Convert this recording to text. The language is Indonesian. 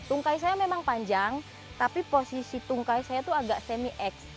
tungkai saya memang panjang tapi posisi tungkai saya itu agak semi x